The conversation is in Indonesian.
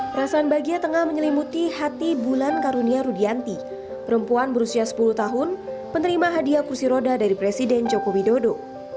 perasaan bahagia tengah menyelimuti hati bulan karunia rudianti perempuan berusia sepuluh tahun penerima hadiah kursi roda dari presiden joko widodo